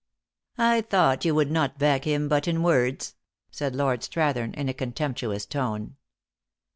" I thought you would not back him but in words," said Lord Strathern, in a contemptuous tone.